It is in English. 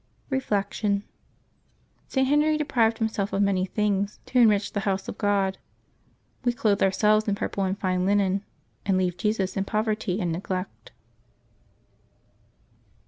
Reflection. — St. Henry deprived himself of many things to enrich the house of God. We clothe ourselves in purple and fine linen, and leave Jesus in poverty and neglect.